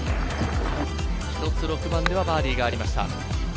ひとつ、６番ではバーディーがありました。